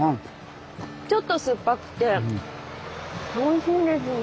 ちょっと酸っぱくておいしいですね。